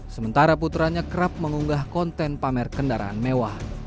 sementara putranya kerap mengunggah konten pamer kendaraan mewah